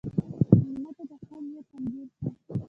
مېلمه ته د ښه نیت انځور شه.